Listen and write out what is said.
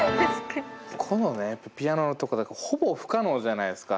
ここのねピアノのとこなんてほぼ不可能じゃないですか。